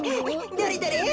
どれどれ？